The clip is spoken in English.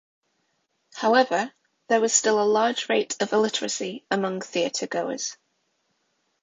However, there was still a large rate of illiteracy among theatre goers.